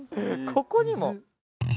ここにも？